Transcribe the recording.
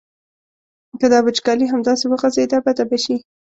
که دا وچکالي همداسې وغځېده بده به شي.